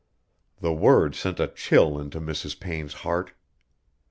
The word sent a chill into Mrs. Payne's heart.